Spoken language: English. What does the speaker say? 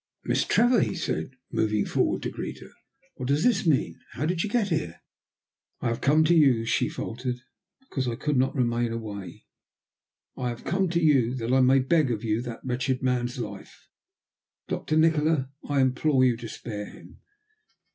"Miss Trevor!" he said, moving forward to greet her, "what does this mean? How did you get here?" "I have come to you," she faltered, "because I could not remain away. I have come to you that I may beg of you that wretched man's life. Doctor Nikola, I implore you to spare him!"